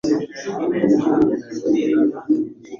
yabonnye umwe mu bahanzi bafatwa nk'abakomeye hano